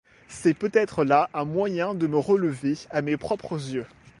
C’est peut-être là un moyen de me relever à mes propres yeux!